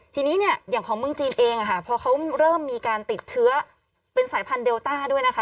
ทีนี้เนี่ยอย่างของเมืองจีนเองพอเขาเริ่มมีการติดเชื้อเป็นสายพันธุเดลต้าด้วยนะคะ